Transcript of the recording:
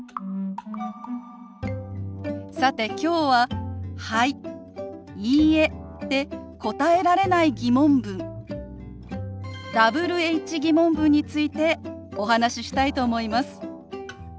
さてきょうは「はい」「いいえ」で答えられない疑問文Ｗｈ−疑問文についてお話ししたいと思います。